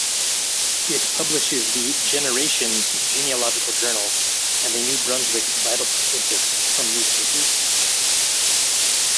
It publishes the "Generations" genealogical journal and the New Brunswick Vital Statistics from Newspapers.